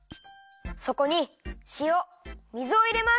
そこにしお水をいれます。